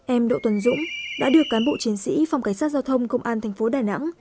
em đỗ tuần dũng đã được cán bộ chiến sĩ phòng cảnh sát giao thông công an thành phố đà nẵng